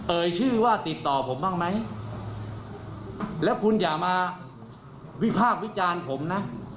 ชื่อว่าติดต่อผมบ้างไหมแล้วคุณอย่ามาวิพากษ์วิจารณ์ผมนะ